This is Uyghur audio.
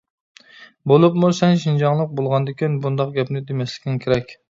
بولۇپمۇ سەن شىنجاڭلىق بولغاندىكىن بۇنداق گەپنى دېمەسلىكىڭ كېرەك.